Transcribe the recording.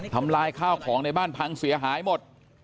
ทำลายข้าวของในบ้านพังเสียหายหมด